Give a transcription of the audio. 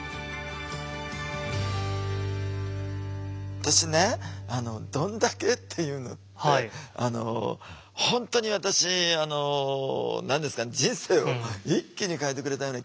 私ね「どんだけ」っていうのって本当に私あの何ですか人生を一気に変えてくれたような気がするんですね。